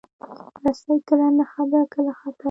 رسۍ کله نښه ده، کله خطر.